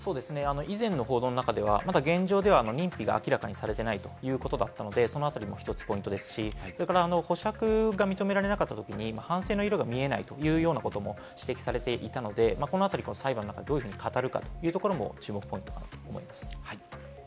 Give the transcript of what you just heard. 以前の報道の中ではまだ現状では認否が明らかにされていないということだったので、そのあたりも１つポイントですし、保釈が認められなかったときに反省の色が見えないというようなことも指摘されていたので、このあたり、裁判の中でどういうふうに語るのかも注目ポイントかと思います。